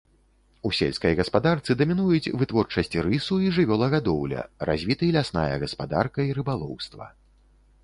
У сельскай гаспадарцы дамінуюць вытворчасць рысу і жывёлагадоўля, развіты лясная гаспадарка і рыбалоўства.